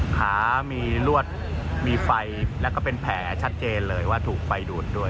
ขามีลวดมีไฟแล้วก็เป็นแผลชัดเจนเลยว่าถูกไฟดูดด้วย